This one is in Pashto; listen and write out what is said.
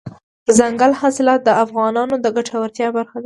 دځنګل حاصلات د افغانانو د ګټورتیا برخه ده.